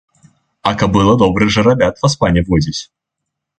А кабыла добрых жарабят, васпане, водзіць.